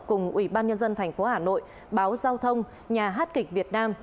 cùng ủy ban nhân dân thành phố hà nội báo giao thông nhà hát kịch việt nam